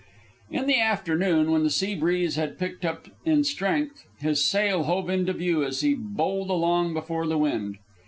In the afternoon, when the sea breeze had picked up in strength, his sail hove into view as he bowled along before the wind.